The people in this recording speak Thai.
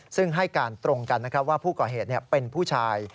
ซึ่งให้การตรงกันนะครับว่าผู้ก่อเหตุเป็นผู้ชาย